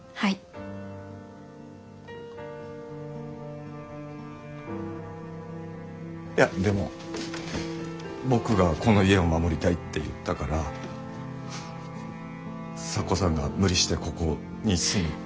いやでも僕がこの家を守りたいって言ったから咲子さんが無理してここに住む。